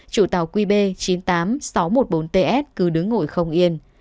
chủ tàu qb chín mươi tám nghìn sáu trăm một mươi bốn ts cứ đứng ngồi không yên